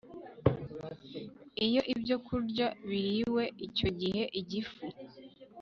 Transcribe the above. Iyo ibyokurya biriwe icyo gihe igifu